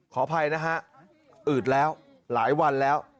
ขออภัยนะฮะอืดแล้วหลายวันแล้ว